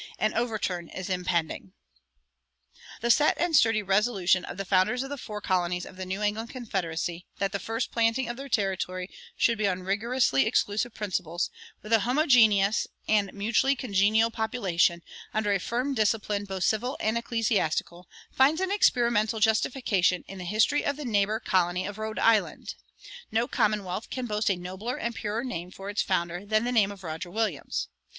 An overturn is impending. The set and sturdy resolution of the founders of the four colonies of the New England confederacy that the first planting of their territory should be on rigorously exclusive principles, with a homogeneous and mutually congenial population, under a firm discipline both civil and ecclesiastical, finds an experimental justification in the history of the neighbor colony of Rhode Island. No commonwealth can boast a nobler and purer name for its founder than the name of Roger Williams.